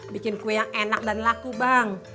bikin kue yang enak dan laku bang